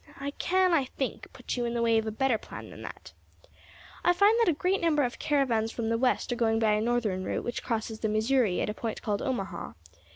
I can, I think, put you in the way of a better plan than that. I find that a great number of caravans from the West are going by a northern route which crosses the Missouri at a point called Omaha.